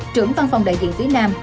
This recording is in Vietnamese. trưởng văn phòng đại diện phía nam